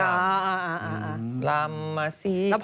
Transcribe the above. ก็ลำลำมาสีก